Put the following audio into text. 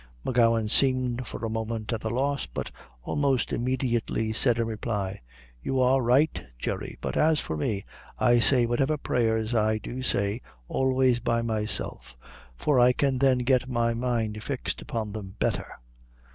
M'Gowan seemed for a moment at a loss, but almost immediately said in reply "You are right, Jerry, but as for me, I say whatever prayers I do say, always by myself; for I can then get my mind fixed upon them betther.